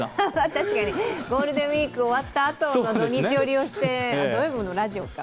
確かにゴールデンウイーク終わったあとの土日を利用して土曜日もラジオか。